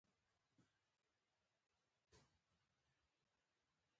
زړه مې و چې جیب ته لاس کړم خو موږ ته ویل شوي وو.